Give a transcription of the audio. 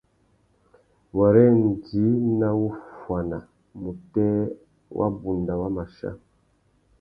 Wêrê djï nà wuffuana mutēh wabunda wa mà chia.